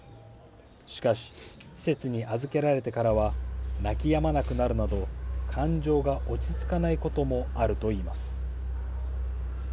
しかし、施設に預けられてからは、泣きやまなくなるなど、感情が落ち着かないこともあるといいます。